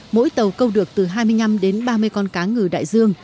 mỗi tàu câu được từ hai mươi năm đến ba mươi con cá ngừ đại dương